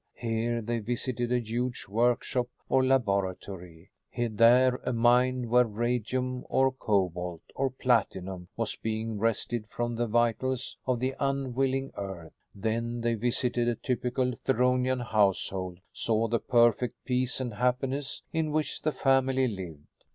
Here they visited a huge workshop or laboratory; there a mine where radium or cobalt or platinum was being wrested from the vitals of the unwilling earth. Then they visited a typical Theronian household, saw the perfect peace and happiness in which the family lived.